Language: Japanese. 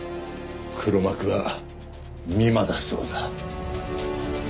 黒幕は美馬だそうだ。